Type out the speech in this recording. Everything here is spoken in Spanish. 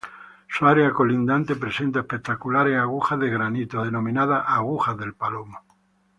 Su área colindante presenta espectaculares agujas de granito, denominadas "Agujas del Palomo".